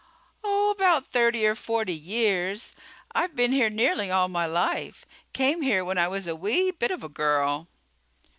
"Oh, about thirty or forty years. I've been here nearly all my life. Came here when I was a wee bit of a girl."